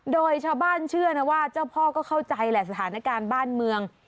โดยชาวบ้านเชื่อนะว่าเจ้าพ่อก็เข้าใจแหละสถานการณ์บ้านเมือง